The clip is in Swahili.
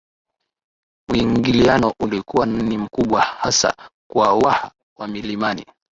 Muingiliano ulikuwa ni mkubwa hasa kwa waha wa milimani